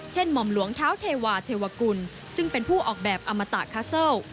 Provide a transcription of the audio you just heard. หม่อมหลวงเท้าเทวาเทวกุลซึ่งเป็นผู้ออกแบบอมตะคาเซิล